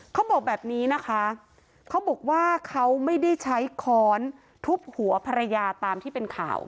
เขาบอกแบบนี้นะคะเขาบอกว่าเขาไม่ได้ใช้ค้อนทุบหัวภรรยาตามที่เป็นข่าว